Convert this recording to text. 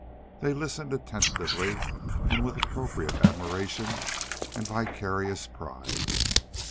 They listened attentively and with appropriate admiration and vicarious pride.